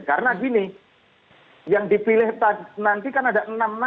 karena gini yang dipilih nanti kan ada enam nama